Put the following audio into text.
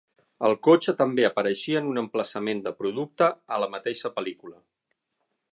El cotxe també apareixia en un emplaçament de producte a la mateixa pel·lícula.